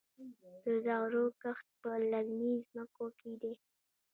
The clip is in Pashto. د زغرو کښت په للمي ځمکو کې دی.